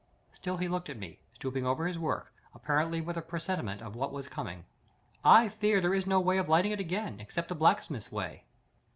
Still he looked at me, stooping over his work, apparently with a presentiment of what was coming. "I fear there is no way of lighting it again, except the blacksmith's way."